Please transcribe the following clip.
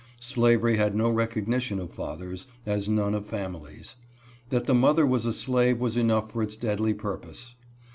Slavery had no recog nition of fathers, as none of families. That the mother was a slave was enough for its deadly purpose.